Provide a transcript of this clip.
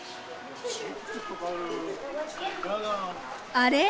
あれ？